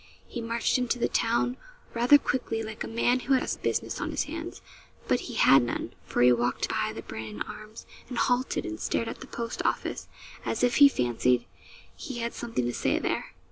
He marched into the town rather quickly, like a man who has business on his hands; but he had none for he walked by the 'Brandon Arms,' and halted, and stared at the post office, as if he fancied he had something to say there.